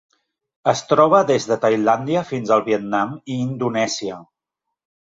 Es troba des de Tailàndia fins al Vietnam i Indonèsia.